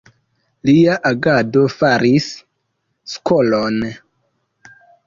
Lia agado faris skolon.